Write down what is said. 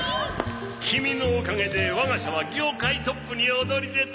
キミのおかげで我が社は業界トップに躍り出た！